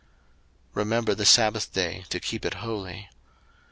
02:020:008 Remember the sabbath day, to keep it holy.